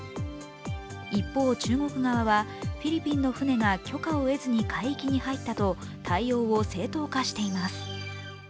一方、中国側はフィリピンの船が許可を得ずに海域に入ったと対応を正当化しています。